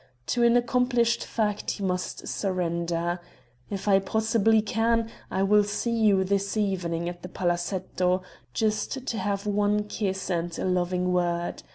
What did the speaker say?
To an accomplished fact he must surrender. If I possibly can, I will see you this evening at the palazetto just to have one kiss and a loving word.